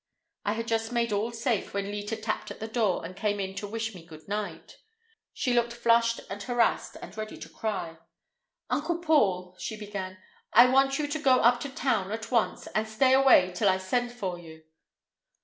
I had just made all safe when Leta tapped at the door and came in to wish me good night. She looked flushed and harassed and ready to cry. "Uncle Paul," she began, "I want you to go up to town at once, and stay away till I send for you."